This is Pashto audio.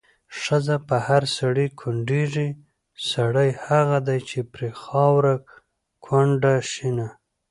ښځه په هر سړي کونډيږي، سړی هغه دی چې پرې خاوره کونډه شينه